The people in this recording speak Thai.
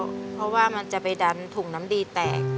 รีบผ่าแล้วเพราะว่ามันจะไปดันถุงน้ำดีแตก